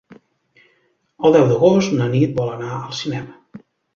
El deu d'agost na Nit vol anar al cinema.